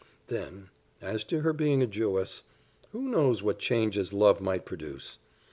Then, as to her being a Jewess who knows what changes love might produce?